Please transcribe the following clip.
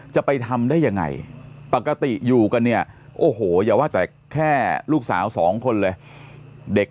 จะไปทำได้ยังไงปกติอยู่กันเนี่ยโอ้โหอย่าว่าแต่แค่ลูกสาวสองคนเลยเด็ก